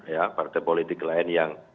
ya partai politik lain yang